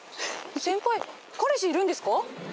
先輩彼氏いるんですか？